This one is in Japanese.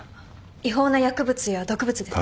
違法な薬物や毒物ですね。